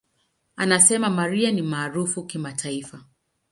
Anasema, "Mariah ni maarufu kimataifa.